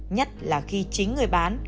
nhất là khi chính người bán